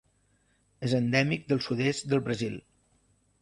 És endèmic del sud-est del Brasil.